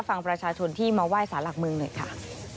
ฟังประชาชนที่มาไหว้สารหลักเมืองหน่อยค่ะ